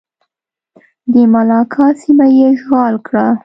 د ملاکا سیمه یې اشغال کړه.